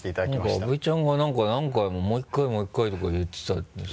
何か阿部ちゃんが何回も「もう１回もう１回」とか言ってたんです。